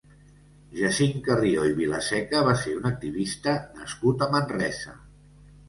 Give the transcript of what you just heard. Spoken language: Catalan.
Jacint Carrió i Vilaseca va ser un activista nascut a Manresa.